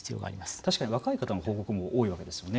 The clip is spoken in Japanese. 確かに若い方の報告も多いわけですよね。